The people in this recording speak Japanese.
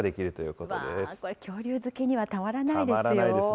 これ、恐竜好きにはたまらないですよ。